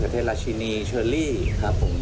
เทราชินีเชอรี่ครับผม